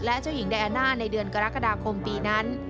และเจ้าหญิงไดอาน่าในเดือนกรกฎาคมปีนั้น